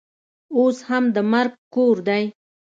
اوس هم د مرګ کور دی.